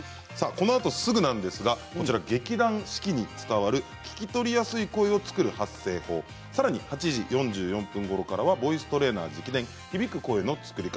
このあと、すぐは劇団四季に伝わる聞き取りやすい声を作る発声法さらに８時４４分ごろからはボイストレーナー直伝響く声の作り方。